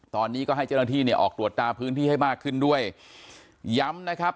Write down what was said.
ตอนนี้ก็ให้เจ้าหน้าที่เนี่ยออกตรวจตาพื้นที่ให้มากขึ้นด้วยย้ำนะครับ